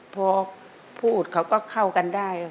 พอพูดเขาก็เข้ากันได้